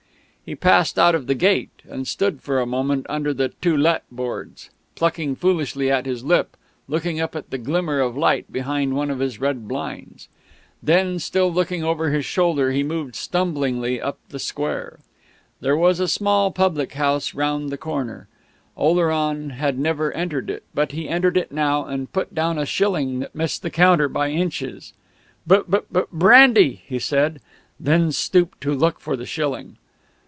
He passed out of the gate, and stood for a moment under the "To Let" boards, plucking foolishly at his lip and looking up at the glimmer of light behind one of his red blinds. Then, still looking over his shoulder, he moved stumblingly up the square. There was a small public house round the corner; Oleron had never entered it; but he entered it now, and put down a shilling that missed the counter by inches. "B b bran brandy," he said, and then stooped to look for the shilling.